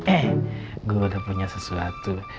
eh gue udah punya sesuatu